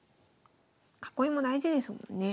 囲いも大事ですもんね。